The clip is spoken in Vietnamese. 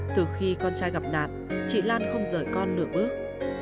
từ khi con trai gặp nạn chị lan không rời con nửa bước